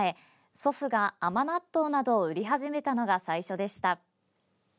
祖父が甘納豆などを売り始めたのが最初でした。